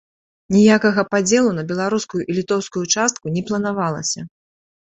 Ніякага падзелу на беларускую і літоўскую частку не планавалася.